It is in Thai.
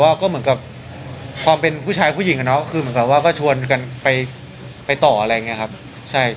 ก็คือเหมือนกับความเป็นผู้ชายผู้หญิงคือเหมือนกับว่าก็ชวนกันไปต่ออะไรอย่างเงี้ยครับ